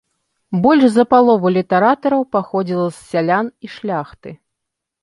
Больш за палову літаратараў паходзіла з сялян і шляхты.